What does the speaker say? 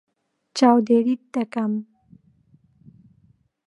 چاودێریت دەکەم.